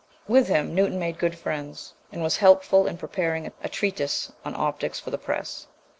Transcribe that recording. With him Newton made good friends, and was helpful in preparing a treatise on optics for the press.